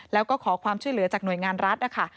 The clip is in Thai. แล้วก็ขอความช่วยเหลือจากหน่วยงานรัฐนะคะ